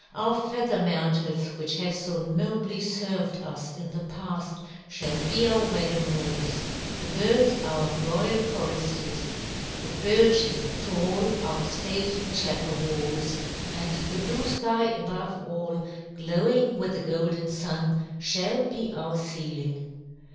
Our feather mantles which have so nobly served us in the past shall be our wedding robes; the birds our royal choristers; the birches tall our stately chapel walls, and the blue sky above all, glowing with the Golden Sun, shall be our ceiling.